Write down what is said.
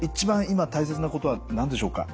今大切なことは何でしょうか？